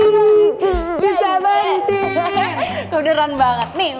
kuderan banget nih undangan buat lo